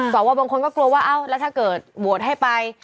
สวบางคนก็กลัวว่าเอ้าแล้วถ้าเกิดโหวตให้ไป